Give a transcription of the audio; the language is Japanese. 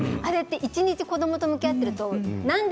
一日、子どもと向き合っているとなんで？